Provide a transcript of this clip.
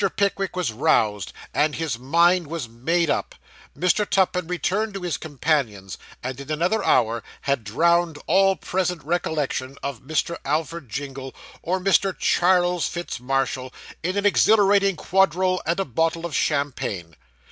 Pickwick was roused, and his mind was made up. Mr. Tupman returned to his companions; and in another hour had drowned all present recollection of Mr. Alfred Jingle, or Mr. Charles Fitz Marshall, in an exhilarating quadrille and a bottle of champagne.